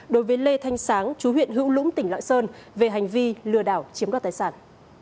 đối với lê thanh sáng chú huyện hữu lũng tỉnh lạng sơn về hành vi lừa đảo chiếm đoạt tài sản